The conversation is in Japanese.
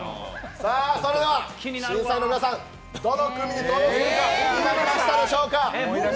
審査員の皆さん、どの組にするか決まりましたでしょうか。